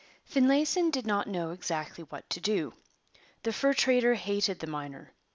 Finlayson did not know exactly what to do. The fur trader hated the miner.